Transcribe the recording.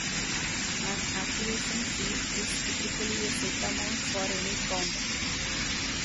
An activation fee is typically a set amount for any account.